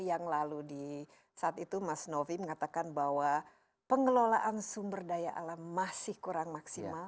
yang lalu di saat itu mas novi mengatakan bahwa pengelolaan sumber daya alam masih kurang maksimal